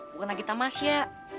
bukan lagi tamas ya